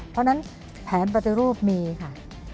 เพราะฉะนั้นแผนปฏิรูปมีค่ะ